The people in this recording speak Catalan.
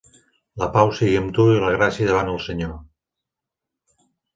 La pau sigui amb tu i la gràcia davant el Senyor.